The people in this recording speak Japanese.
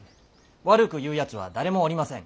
悪く言うやつは誰もおりません。